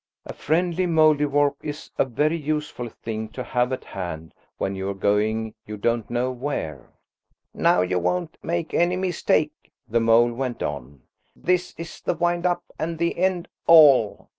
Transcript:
A friendly Mouldiwarp is a very useful thing to have at hand when you are going you don't know where. "Now, you won't make any mistake," the mole went on. "This is the wind up and the end all.